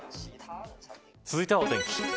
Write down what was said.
続いてはお天気。